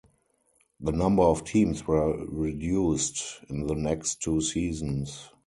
The number of teams were reduced in the next two seasons.